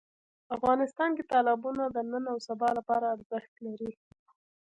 افغانستان کې تالابونه د نن او سبا لپاره ارزښت لري.